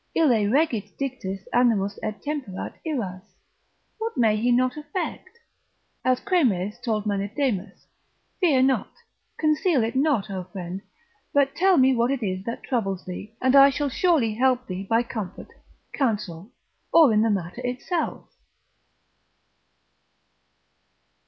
Ille regit dictis animos et temperat iras. What may not he effect? As Chremes told Menedemus, Fear not, conceal it not, O friend! but tell me what it is that troubles thee, and I shall surely help thee by comfort, counsel, or in the matter itself.